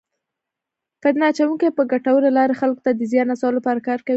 فتنه اچونکي په ګټورې لارې خلکو ته د زیان رسولو لپاره کار کوي.